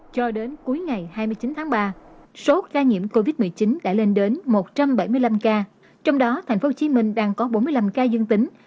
cho đến cuối ngày hai mươi chín tháng ba số ca nhiễm covid một mươi chín đã lên đến một trăm bảy mươi năm ca trong đó thành phố hồ chí minh đang có bốn mươi năm ca dương tính